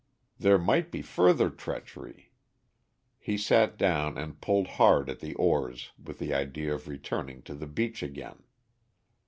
There might be further treachery. He sat down and pulled hard at the oars with the idea of returning to the beach again.